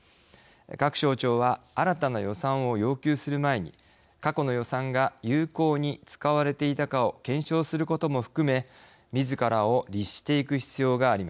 各省庁は新たな予算を要求する前に過去の予算が有効に使われていたかを検証することも含め自らを律していく必要があります。